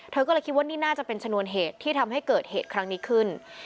เธอก็เลยคิดว่านี่น่าจะเป็นชนวนเหตุที่ทำให้เกิดเหตุครั้งนี้ขึ้น